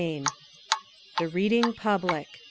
II. The Reading Public.